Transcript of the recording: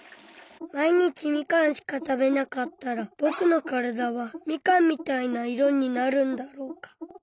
毎日ミカンしかたべなかったらぼくの体はミカンみたいな色になるんだろうか。